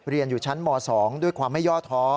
เรียนอยู่ชั้นม๒ด้วยความไม่ย่อท้อ